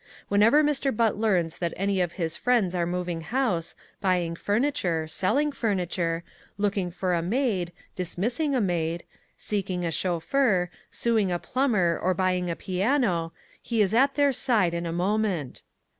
Whenever Mr. Butt learns that any of his friends are moving house, buying furniture, selling furniture, looking for a maid, dismissing a maid, seeking a chauffeur, suing a plumber or buying a piano, he is at their side in a moment.